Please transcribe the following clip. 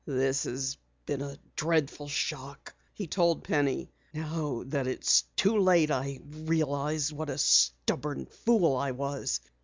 "This has been a dreadful shock," he told Penny. "Now that it's too late I realize what a stubborn fool I was.